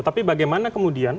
tapi bagaimana kemudian